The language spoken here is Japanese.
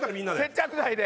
接着剤で。